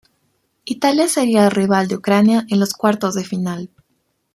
Italia sería el rival de Ucrania en los cuartos de final.